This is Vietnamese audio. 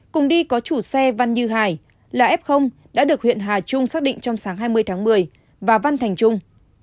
cùng đi có chủ xe văn như hải là f đã được huyện hà trung xác định trong sáng hai mươi tháng một mươi và văn thành trung